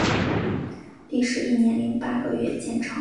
历时一年零八个月建成。